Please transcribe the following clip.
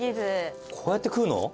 こうやって食うの？